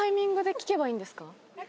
聞けばいいんですかね？